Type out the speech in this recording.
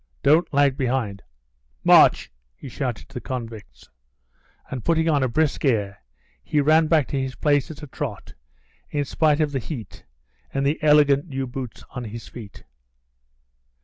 Don't lag behind; march!" he shouted to the convicts, and putting on a brisk air, he ran back to his place at a trot, in spite of the heat and the elegant new boots on his feet.